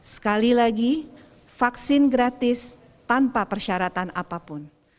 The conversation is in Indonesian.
sekali lagi vaksin gratis tanpa persyaratan apapun